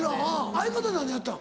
相方は何やってたん？